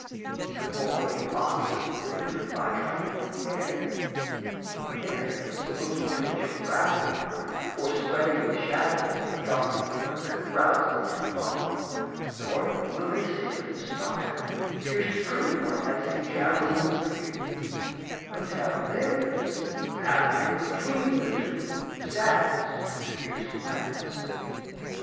But more the oxen live by tranquil air, Nor e'er doth smoky torch of wrath applied, O'erspreading with shadows of a darkling murk, Rouse them too far; nor will they stiffen stark, Pierced through by icy javelins of fear; But have their place half way between the two Stags and fierce lions.